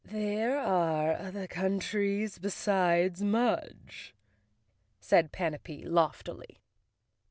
"There are other countries besides Mudge," said Pan apee loftily.